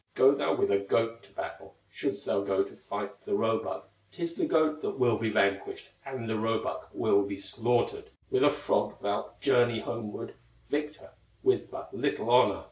Go thou with a goat to battle, Shouldst thou go to fight the roebuck, 'Tis the goat that will be vanquished, And the roebuck will be slaughtered; With a frog thou'lt journey homeward, Victor, with but little honor!"